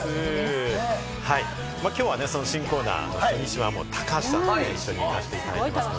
きょうは新コーナー、初日は高橋さんと一緒に行かせていただきまして。